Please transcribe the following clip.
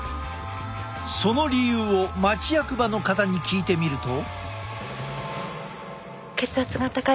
その理由を町役場の方に聞いてみると。